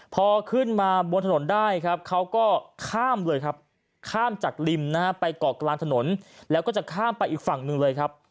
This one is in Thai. พอขึ้นมาบนถนนได้ครับเขาก็ข้ามเลยครับข้ามจากริมนะฮะไปเกาะกลางถนนแล้วก็จะข้ามไปอีกฝั่งหนึ่งเลยครับ